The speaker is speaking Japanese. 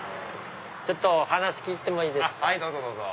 ちょっと話聞いていいですか？